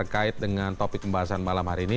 kait dengan topik pembahasan malam hari ini